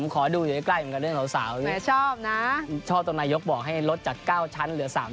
โครงคุม